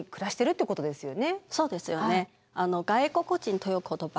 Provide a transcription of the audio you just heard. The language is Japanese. そうですよね。